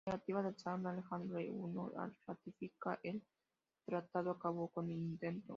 La negativa del zar Alejandro I a ratificar el tratado acabó con el intento.